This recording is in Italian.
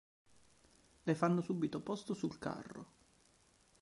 Le fanno subito posto sul carro.